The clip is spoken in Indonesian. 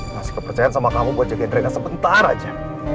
masih kepercayaan sama kamu buat jagain rena sebentar aja